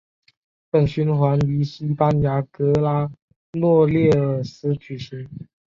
本循环于西班牙格拉诺列尔斯举行。